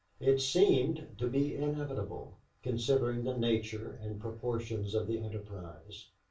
It seemed to be inevitable, considering the nature and proportions of the enterprise.